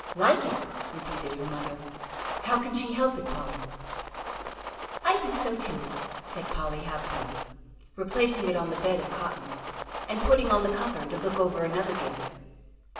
"Like it?" repeated her mother. "How can she help it, Polly?" "I think so too," said Polly, happily, replacing it on the bed of cotton, and putting on the cover to look over another gift.